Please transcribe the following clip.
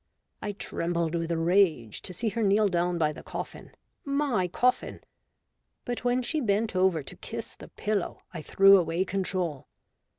I trembled with rage to see her kneel down by the coffin — my coffin ; but when she bent over to kiss the pillow I threw away control.